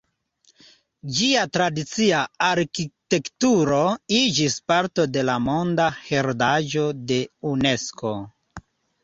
Ĝia tradicia arkitekturo iĝis parto de la Monda heredaĵo de Unesko.